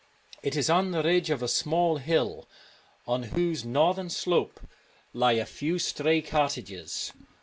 It is on the ridge of a small hill, on whose northern slope lie a few stray cottages.